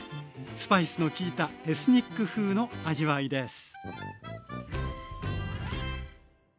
スパイスのきいたエスニック風の味わいです。